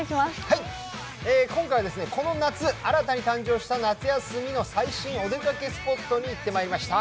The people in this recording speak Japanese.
今回はこの夏新たに誕生した最新お出かけスポットに行ってまいりました。